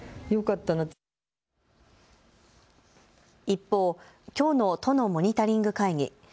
一方、きょうの都のモニタリング会議。